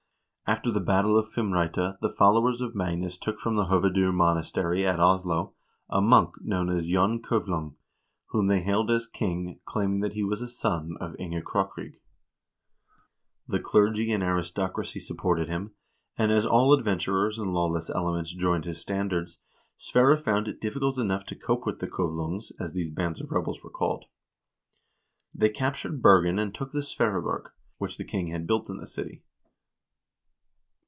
After the battle of Fimreite the followers of Magnus took from the Hoved0 monastery at Oslo a monk known as Jon Kuvlung x whom they hailed as king, claiming that he was a son of Inge Krokryg. The clergy and aristocracy supported him, and as all adventurers and lawless elements joined his standards, Sverre found it difficult enough to cope with the "Kuvlungs," as these bands of rebels were called. They captured Bergen and took the Sverreborg, which the king had built in the city.